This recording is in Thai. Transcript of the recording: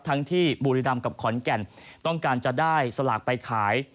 ที่บุรีรำกับขอนแก่นต้องการจะได้สลากไปขาย